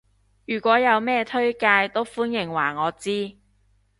如果有咩推介都歡迎話我知